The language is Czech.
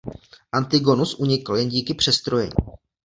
Antigonos unikl jen díky přestrojení.